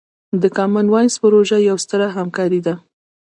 د کامن وایس پروژه یوه ستره همکارۍ ده.